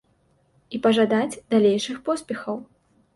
І пажадаць далейшых поспехаў!